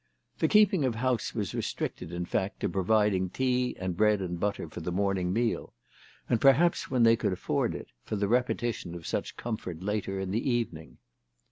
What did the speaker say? The keeping of house was restricted in fact to providing tea and bread and butter for the morning meal, and perhaps when they could afford it for the repetition of such comfort later in the evening.